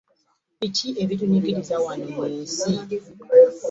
Biki ebitunyigiriza wano mu nsi?